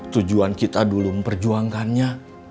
tujuan kita dulu memperjuangkannya